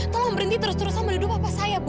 tolong berhenti terus terusan melindungi papa saya bu